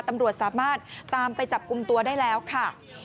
ตำรวจสามารถตามไปจับกลุ่มตัวได้แล้วค่ะ